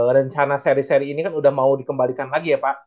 rencana seri seri ini kan sudah mau dikembalikan lagi ya pak